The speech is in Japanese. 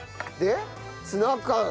でツナ缶。